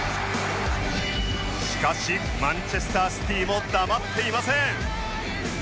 しかしマンチェスター・シティも黙っていません